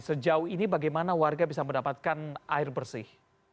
sejauh ini bagaimana warga bisa mendapatkan air bersih